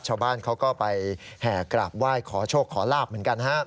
ชาวบ้านเขาก็ไปแห่กราบไหว้ขอโชคขอลาบเหมือนกันฮะ